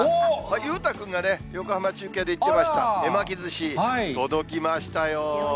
裕太君がね、横浜中継で行きました絵巻寿司、届きましたよ。